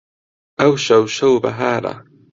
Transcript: ئەوشەو شەو بەهارە